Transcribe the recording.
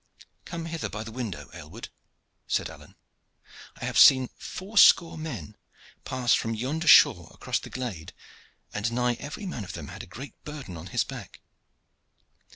"Come hither by the window, Aylward," said Alleyne. "I have seen four score men pass from yonder shaw across the glade, and nigh every man of them had a great burden on his back.